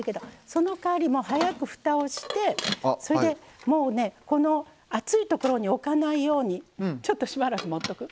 そのかわり早くふたをしてそれでもうねこの熱い所に置かないようにちょっとしばらく持っとく。